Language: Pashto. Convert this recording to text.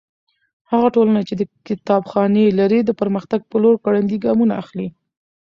هغه ټولنه چې کتابخانې لري د پرمختګ په لور ګړندي ګامونه اخلي.